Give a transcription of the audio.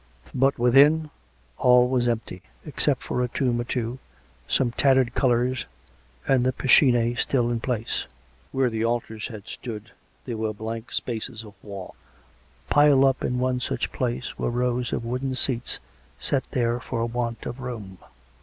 But within all was empty, except for a tomb or two, some tattered colours and the piscinae still in place. Where the altars had stood there were blank spaces of wall; piled up in one such place were rows of wooden seats set there for want of room.